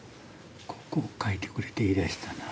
ここを描いてくれって言いだしたな。